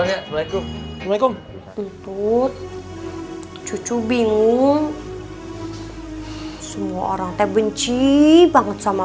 assalamualaikum waalaikumsalam tutut cucu bingung semua orang teh benci banget sama